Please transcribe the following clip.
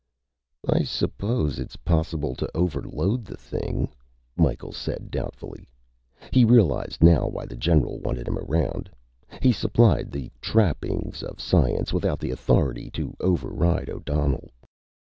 "I suppose it's possible to overload the thing," Micheals said doubtfully. He realized now why the general wanted him around. He supplied the trappings of science, without the authority to override O'Donnell.